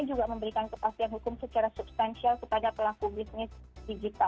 juga memberikan kepastian hukum secara substansial kepada pelaku bisnis digital